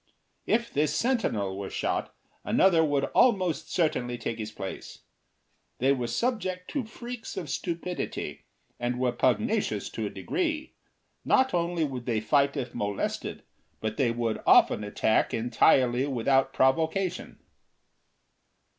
If this sentinel were shot, another would almost certainly take his place. They were subject to freaks of stupidity, and were pugnacious to a degree. Not only would they fight if molested, but they would often attack entirely without provocation.